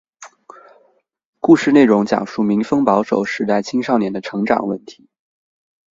故事内容讲述民风保守时代青少年的成长问题。